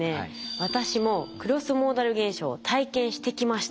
私もクロスモーダル現象を体験してきました。